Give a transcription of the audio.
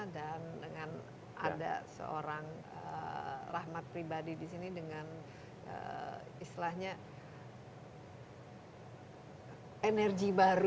dan dengan ada seorang rahmat pribadi disini dengan istilahnya energi baru